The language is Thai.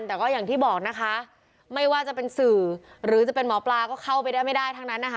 แต่ก็อย่างที่บอกนะคะไม่ว่าจะเป็นสื่อหรือจะเป็นหมอปลาก็เข้าไปได้ไม่ได้ทั้งนั้นนะคะ